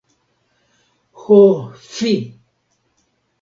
Ho fi!